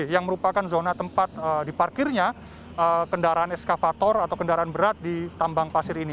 yang merupakan zona tempat diparkirnya kendaraan eskavator atau kendaraan berat di tambang pasir ini